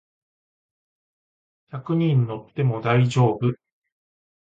百人乗っても大丈夫